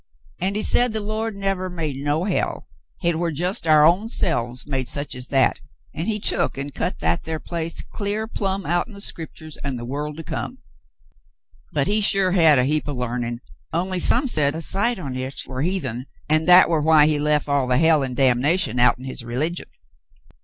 An' he said the Lord nevah made no hell, hit war jes' 146 The Mountain Girl our own selves made sech es that, an* he took an* cut that thar place cl'ar plumb out'n the Scripturs an' the worl' to come. But he sure hed a heap o' larnin', only some said a sight on hit war heathen, an' that war why he lef all the hell an' damnation outen his religion."